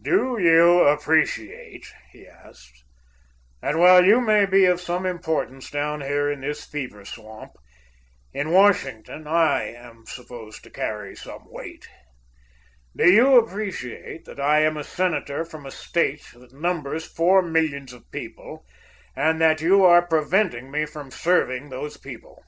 "Do you appreciate," he asked, "that, while you may be of some importance down here in this fever swamp, in Washington I am supposed to carry some weight? Do you appreciate that I am a senator from a State that numbers four millions of people, and that you are preventing me from serving those people?"